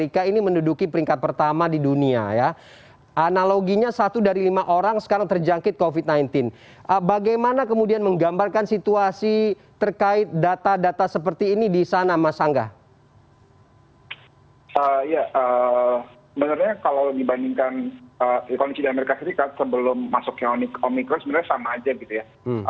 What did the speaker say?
ya sebenarnya kalau dibandingkan ekonomi di amerika serikat sebelum masuknya omicron sebenarnya sama aja gitu ya